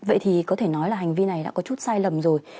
vậy thì có thể nói là hành vi này đã có chút sai lầm rồi